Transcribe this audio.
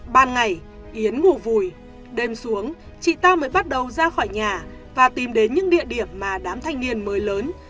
ban ngày yến ngủ vùi đêm xuống chị ta mới bắt đầu ra khỏi nhà và tìm đến những địa điểm mà đám thanh niên mới lớn